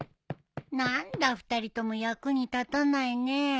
何だ２人とも役に立たないね。